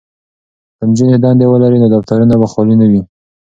که نجونې دندې ولري نو دفترونه به خالي نه وي.